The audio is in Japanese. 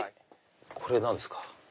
これ何ですか？